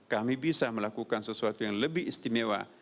kami bisa melakukan sesuatu yang lebih istimewa